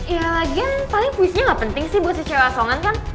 ya lagian paling puisinya gak penting sih buat si cewek asongan kan